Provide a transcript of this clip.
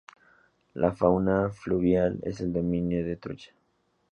La fauna fluvial es el dominio de trucha.